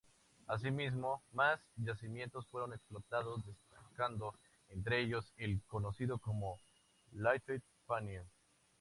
Asimismo, más yacimientos fueron explotados, destacando entre ellos el conocido como "Little Fannie".